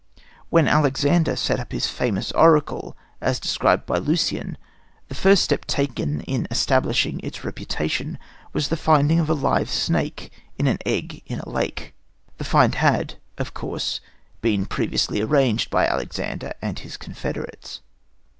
When Alexander set up his famous oracle, as described by Lucian, the first step taken in establishing its reputation was the finding of a live snake in an egg in a lake. The find had, of course, been previously arranged by Alexander and his confederates.